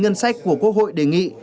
ngân sách của quốc hội đề nghị